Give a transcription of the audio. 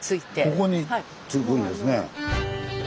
ここに着くんですね。